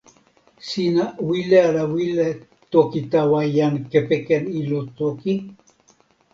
sina wile ala wile toki tawa jan kepeken ilo toki?